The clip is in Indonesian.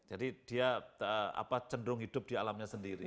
jadi dia cenderung hidup di alamnya sendiri